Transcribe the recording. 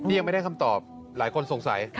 ยังไม่ได้คำตอบหลายคนสงสัย